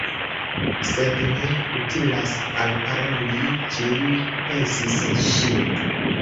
"Sed ne utilas alparoli ĝin," pensis ŝi.